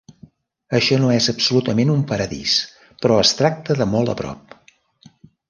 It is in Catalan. Això no és absolutament un paradís, però es tracta de molt a prop.